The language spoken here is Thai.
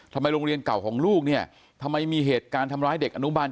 ทำไมโรงเรียนเก่าของลูกเนี่ยทำไมมีเหตุการณ์ทำร้ายเด็กอนุบาล